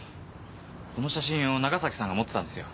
この写真を長崎さんが持ってたんですよ。